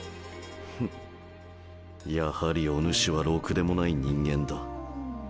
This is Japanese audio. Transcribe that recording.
ふんやはりお主はろくでもない人間だ。